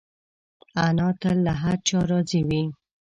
انا تل له هر چا راضي وي